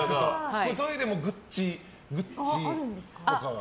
トイレもグッチとかは。